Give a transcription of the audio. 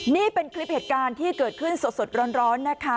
นี่เป็นคลิปเหตุการณ์ที่เกิดขึ้นสดร้อนนะคะ